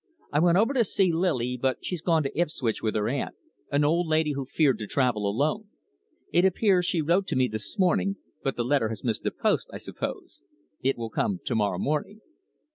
"I went over to see Lily, but she's gone to Ipswich with her aunt, an old lady who feared to travel alone. It appears she wrote to me this morning, but the letter has missed the post, I suppose. It will come to morrow morning."